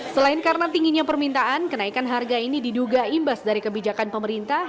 selain karena tingginya permintaan kenaikan harga ini diduga imbas dari kebijakan pemerintah